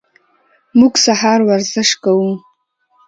موږ سهار ورزش کوو.